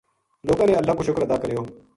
لوکاں نے اللہ کو شکر ادا کریو